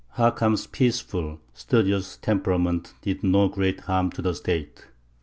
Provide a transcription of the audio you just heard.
Hakam's peaceful, studious temperament did no great harm to the State.